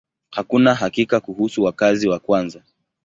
Hakuna hakika kuhusu wakazi wa kwanza.